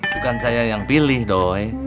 bukan saya yang pilih dong